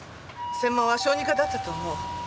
専門は小児科だったと思う。